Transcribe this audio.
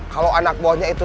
kalau anak buahnya itu